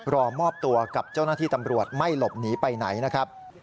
รอมอบตัวกับเจ้าหน้าที่ตำรวจไม่หลบหนีไปไหนนะครับ